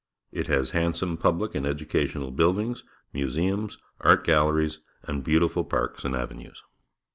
It has handsome public and educational buildings, museums, art galleries, and beautiful parks and avenues.